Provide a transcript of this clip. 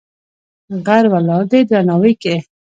غر ولاړ دی درناوی کې.